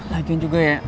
lagian juga ya